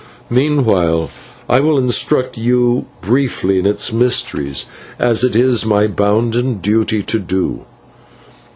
Meanwhile I will instruct you briefly in its mysteries, as it is my bounden duty to do.